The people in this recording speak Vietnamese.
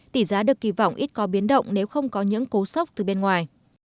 tỷ giá được kỳ vọng ít có biến động nếu không có những cố sốc từ bên ngoài